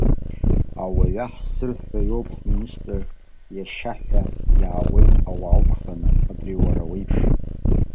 Ауаҩ аҳ ззырҳәо иоуп ҳминистр иашьа ҳәа иаауеит ауаа ықәланы, абри уара уеиԥш.